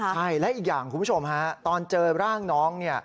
ใช่และอีกอย่างคุณผู้ชมฮะตอนเจอร่างน้อง